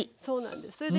そうなんです。